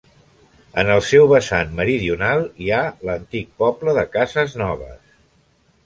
En el seu vessant meridional hi ha l'antic poble de Casesnoves.